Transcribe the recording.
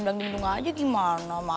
janjikan juga sih